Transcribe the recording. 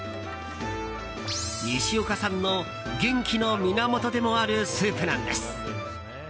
西岡さんの元気の源でもあるスープなんです。